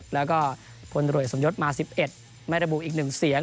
แล้วก็พลตรวจสมยศมา๑๑ไม่ระบุอีก๑เสียง